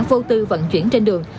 vô tư vận chuyển trên đường